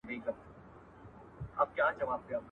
ټاکلې منځپانګه بايد په سمه توګه واخيستل سي.